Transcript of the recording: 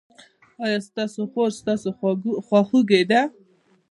ایا ستاسو خور ستاسو خواخوږې ده؟